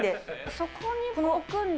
そこに置くんだ。